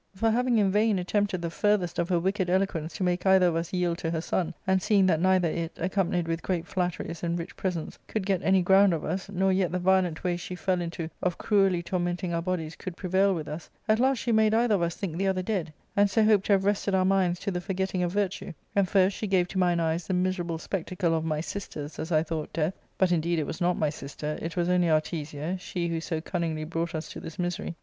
For, having in vain attempted the farthest of her wicked eloquence to make either of us yield to her son, and seeing that neither it, accompanied with great flatteries and rich presents, could get any ground of us, nor yet the violent way she fell into of cruelly tormenting our bodies could prevail with us, at last she made either of us think the other dead, and so hoped to have wrested our minds to the forgetting of virtue ; and first she gave to mine eyes the miserable spectacle of my sister's (as I thought) death ; but, indeed, it was not my sister — it was only Artesia, she who so cunningly brought us to this misery.